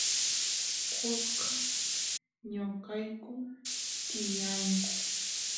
kusqas noqayku tiyayku